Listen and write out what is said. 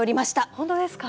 本当ですか？